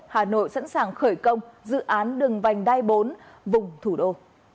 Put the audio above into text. hà nội sẵn sàng khởi công dự án đường vành đai bốn vùng thủ đô